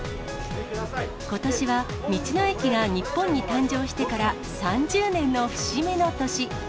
ことしは道の駅が日本に誕生してから３０年の節目の年。